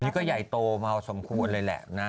อันนี้ก็ใหญ่โตมากสมควรเลยแหละนะ